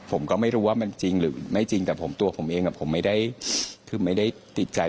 ผมก็ไม่รู้ว่ามันจริงหรือไม่จริงแต่ผมตัวผมเองผมไม่ได้คือไม่ได้ติดใจ